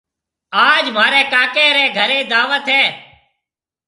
آج مهاريَ ڪاڪي رَي گھريَ دعوت هيَ۔